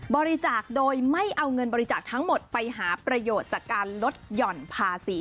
บริจาคโดยไม่เอาเงินบริจาคทั้งหมดไปหาประโยชน์จากการลดหย่อนภาษี